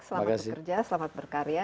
selamat bekerja selamat berkarya